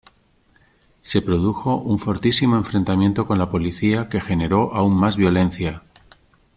Se produjo un fortísimo enfrentamiento con la policía que generó aún más violencia.